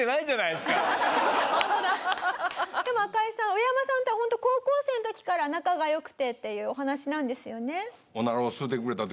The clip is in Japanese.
ウエヤマさんとはホント高校生の時から仲が良くてっていうお話なんですよね？